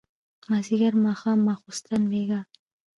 مازيګر ماښام ماسخوتن بېګا